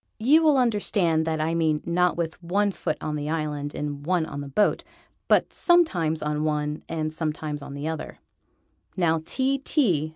You will understand that I mean not with one foot on the island and one on the boat, but sometimes on one and sometimes on the other. Now T. T.